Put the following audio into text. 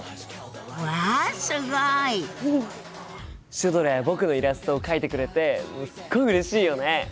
シュドラや僕のイラストを描いてくれてすっごいうれしいよね！